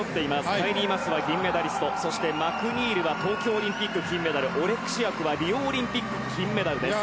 カイリー・マスは銀メダリストそしてマクニールは東京オリンピック銀メダルオレクシアクはリオオリンピック金メダルです。